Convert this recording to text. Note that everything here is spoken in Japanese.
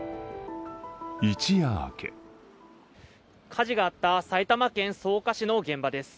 一夜明け火事があった埼玉県草加市の現場です。